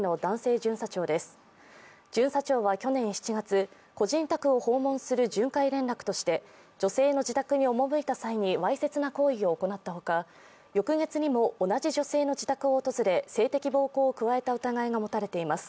巡査長は去年７月、個人宅を訪問する巡回連絡として女性の自宅に赴いた際にわいせつな行為を行った他、翌月にも同じ女性の自宅を訪れ性的暴行を加えた疑いが持たれています。